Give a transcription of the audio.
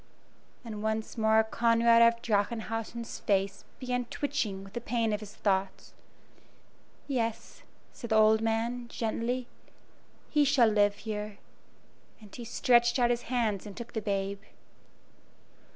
And once more Conrad of Drachenhausen's face began twitching with the pain of his thoughts. "Yes," said the old man, gently, "he shall live here," and he stretched out his hands and took the babe.